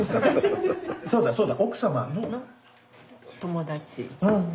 そうだそうだ。